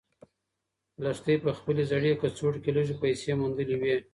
لښتې په خپلې زړې کڅوړې کې لږې پیسې موندلې وې.